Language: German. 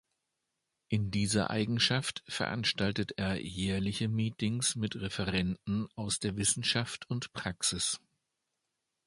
In dieser Eigenschaft veranstaltet er jährliche Meetings mit Referenten aus der Wissenschaft und Praxis.